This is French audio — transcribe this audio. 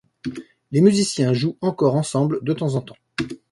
Les musiciens jouent encore ensemble de temps en temps.